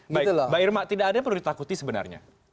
baik mbak irma tidak ada yang perlu ditakuti sebenarnya